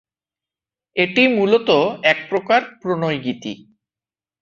এটি মূলত একপ্রকার প্রণয়-গীতি।